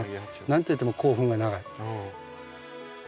なんといっても口吻が長い。